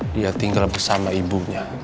dia tinggal bersama ibunya